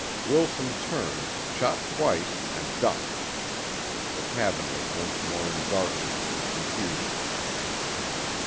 Wilson turned, shot twice, and ducked. The cabin was once more in darkness and confusion.